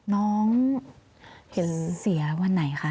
น้องเสียวันไหนคะ